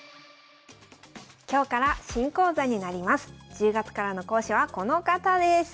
１０月からの講師はこの方です。